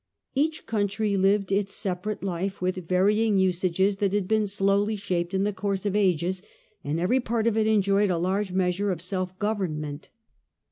Each country lived its separate life, with varying usages that had been slowly shaped in the course of ages, and every part of it enjoyed a large measure of self government.